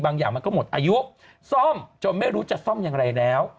อย่างมันก็หมดอายุซ่อมจนไม่รู้จะซ่อมอย่างไรแล้ว